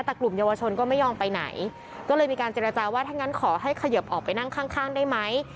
แต่กลุ่มเยาวชนก็ไม่ยอมไปไหนก็เลยมีการเจรจาว่าถ้างั้นขอให้เขยิบออกไปนั่งข้างข้างได้ไหม